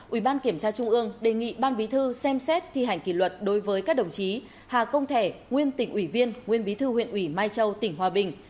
ủy ban kiểm tra trung ương đề nghị ban bí thư xem xét thi hành kỷ luật đối với các đồng chí hà công thẻ nguyên tỉnh ủy viên nguyên bí thư huyện ủy mai châu tỉnh hòa bình